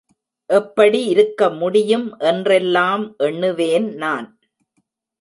எப்படி இருக்க முடியும் என்றெல்லாம் எண்ணுவேன் நான்.